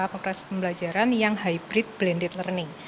proses pembelajaran yang hybrid blended learning